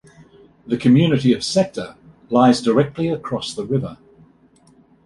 The community of Sector lies directly across the river.